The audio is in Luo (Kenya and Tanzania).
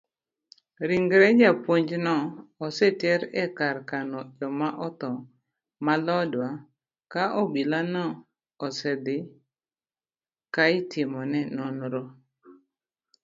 Ringre japuonjno oseter ekar kano joma otho ma lodwa ka obilano osendhi kaitimone nonro.